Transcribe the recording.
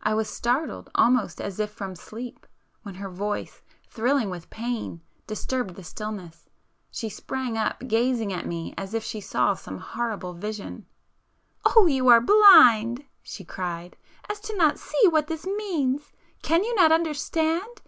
I was startled almost as if from sleep when her voice, thrilling with pain, disturbed the stillness,—she sprang up, gazing at me as if she saw some horrible vision. "Oh, are you so blind," she cried, "as not to see what this means? Can you not understand?